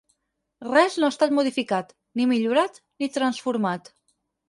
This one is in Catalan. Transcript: Res no ha estat modificat, ni millorat ni transformat.